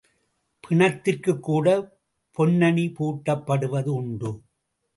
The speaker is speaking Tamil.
பிணத்திற்குக் கூடப் பொன்னணி பூட்டப்படுவது உண்டு.